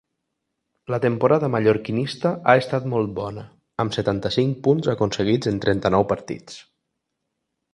La temporada mallorquinista ha estat molt bona, amb setanta-cinc punts aconseguits en trenta-nou partits.